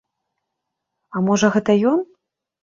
А можа, гэта ён?